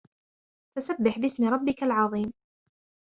فَسَبِّحْ بِاسْمِ رَبِّكَ الْعَظِيمِ